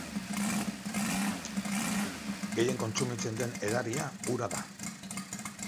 Gehien kontsumitzen den edaria ura da.